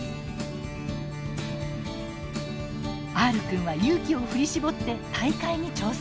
Ｒくんは勇気を振り絞って大会に挑戦。